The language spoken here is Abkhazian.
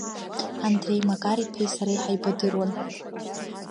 Андреи Макар-иԥеи сареи ҳаибадыруан.